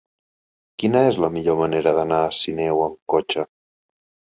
Quina és la millor manera d'anar a Sineu amb cotxe?